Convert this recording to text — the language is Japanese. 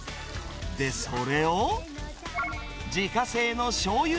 で、それを、自家製のしょうゆ